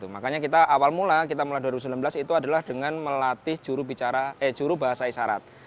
makanya kita awal mula kita mulai dua ribu sembilan belas itu adalah dengan melatih eh juru bahasa isyarat